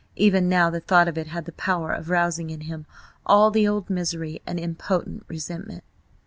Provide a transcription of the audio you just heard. Even now the thought of it had the power of rousing in him all the old misery and impotent resentment.